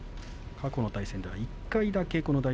過去の対戦は１回だけ。